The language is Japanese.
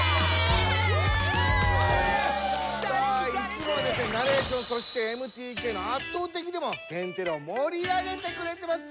いつもはナレーションそしてＭＴＫの圧倒的でも「天てれ」をもり上げてくれてます